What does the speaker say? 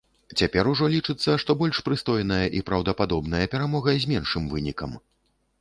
Цяпер ужо лічыцца, што больш прыстойная і праўдападобная перамога з меншым вынікам.